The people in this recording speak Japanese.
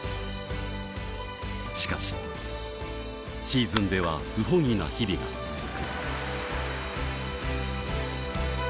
しかしシーズンでは不本意な日々が続く